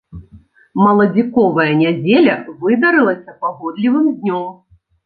Маладзіковая нядзеля выдарылася пагодлівым днём.